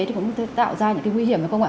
thì cũng tạo ra những cái nguy hiểm